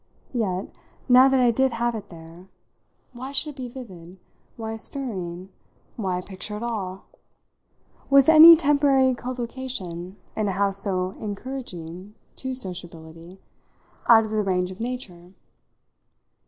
Yet now that I did have it there why should it be vivid, why stirring, why a picture at all? Was any temporary collocation, in a house so encouraging to sociability, out of the range of nature?